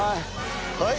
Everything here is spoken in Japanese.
はい。